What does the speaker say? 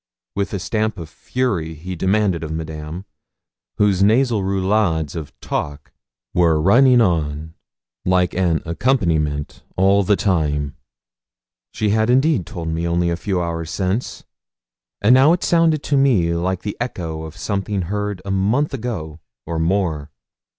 with a stamp of fury he demanded of Madame, whose nasal roullades of talk were running on like an accompaniment all the time. She had told me indeed only a few hours since, and now it sounded to me like the echo of something heard a month ago or more.